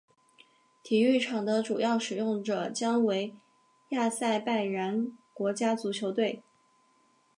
体育场的主要使用者将为亚塞拜然国家足球队。